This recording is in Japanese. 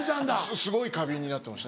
すごい過敏になってました。